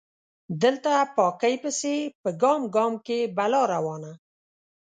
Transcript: دلته پاکۍ پسې په ګام ګام کې بلا روانه